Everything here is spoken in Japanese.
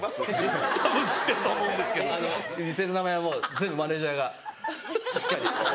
店の名前はもう全部マネジャーがしっかり。